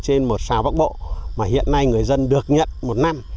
trên một sáo bác bộ mà hiện nay người dân được nhận một năm